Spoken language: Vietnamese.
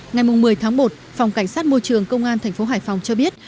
ngày một mươi tháng một phòng cảnh sát môi trường công an thành phố hải phòng cho biết